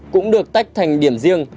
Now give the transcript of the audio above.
cũng được tách thành điểm riêng